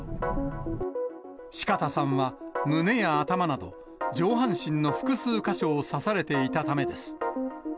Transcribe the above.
四方さんは胸や頭など、上半身の複数箇所を刺されていたためです。